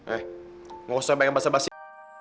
eh mau kesempatan yang basah basih